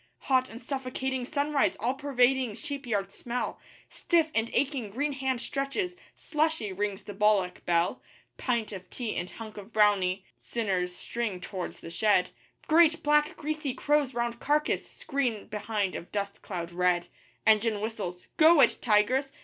Hot and suffocating sunrise all pervading sheep yard smell Stiff and aching green hand stretches 'Slushy' rings the bullock bell Pint of tea and hunk of brownie sinners string towards the shed Great, black, greasy crows round carcass screen behind of dust cloud red. Engine whistles. 'Go it, tigers!